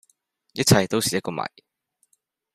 一切都是一個謎